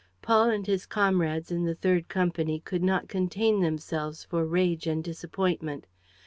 Paul and his comrades in the third company could not contain themselves for rage and disappointment.